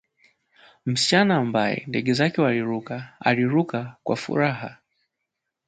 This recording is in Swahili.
Msichana ambaye ndege zake waliruka aliruka mbele kwa furaha